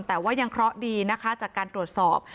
แต่ว่ายังเคราะห์ดีนะคะจากการตรวจสอบ